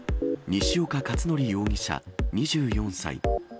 西岡且准容疑者２４歳。